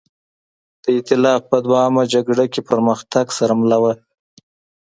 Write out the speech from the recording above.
د اېتلاف په دویمه جګړه کې پرمختګ سره مله وه.